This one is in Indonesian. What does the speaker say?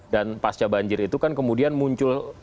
dan pasca banjir itu kan kemudian muncul